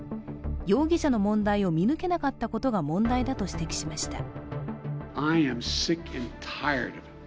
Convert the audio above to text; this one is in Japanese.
容疑者の問題を見抜けなかったことが問題だと指摘しました。